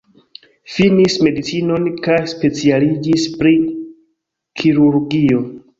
Finis medicinon kaj specialiĝis pri kirurgio.